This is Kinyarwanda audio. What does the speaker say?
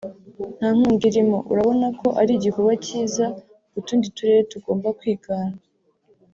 nta nkunga irimo urabonako ari igikorwa kiza utundi turere tugomba kwigana”